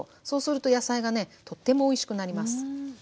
そうすると野菜がねとってもおいしくなります。